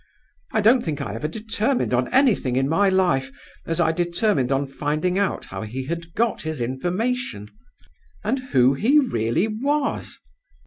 I don't think I ever determined on anything in my life as I determined on finding out how he had got his information, and who he really was.